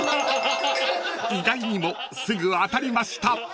［意外にもすぐ当たりました］